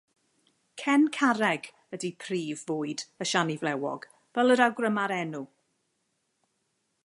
Cen carreg ydy prif fwyd y siani flewog, fel yr awgryma'r enw.